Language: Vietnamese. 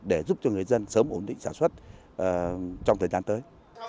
để giúp cho người dân sớm ổn định sản xuất trong thời gian tới